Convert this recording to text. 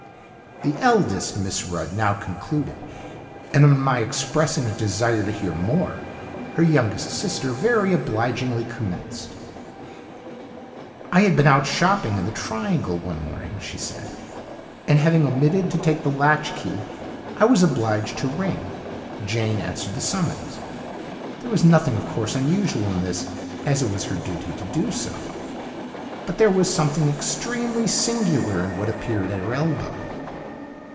The eldest Miss Rudd now concluded, and on my expressing a desire to hear more, her youngest sister very obligingly commenced: "I had been out shopping in the Triangle one morning," she said, "and having omitted to take the latchkey, I was obliged to ring. Jane answered the summons. There was nothing, of course, unusual in this, as it was her duty to do so, but there was something extremely singular in what appeared at her elbow.